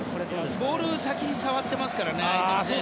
ボールに先に触ってますからね。